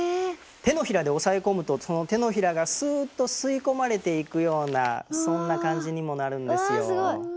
手のひらで押さえ込むとその手のひらがスーッと吸い込まれていくようなそんな感じにもなるんですよ。わすごい！